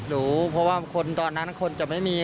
รู้เพราะว่าคนตอนนั้นคนจะไม่มี